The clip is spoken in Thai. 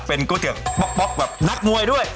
เป็นก๋วยเตี๋ยวป๊อกแบบนักมวยด้วย